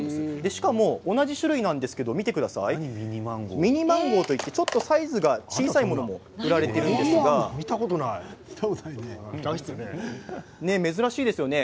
しかも同じ種類なんですけどミニマンゴーといってちょっとサイズが小さいものも売られているんですが珍しいですよね。